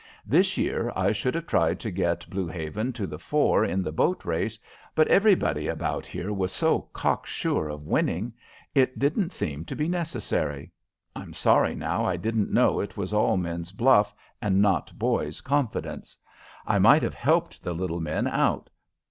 This year I should have tried to get Blue Haven to the fore in the boat race, but everybody about here was so cocksure of winning it didn't seem to be necessary. I'm sorry now I didn't know it was all men's bluff and not boys' confidence. I might have helped the little men out.